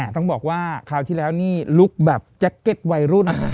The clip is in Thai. ต้องบอกว่าคราวที่แล้วนี่ลุคแบบแจ็คเก็ตวัยรุ่น